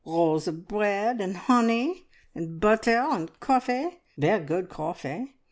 Rolls of bread, and honey, and butter, and coffee ver' good coffee!"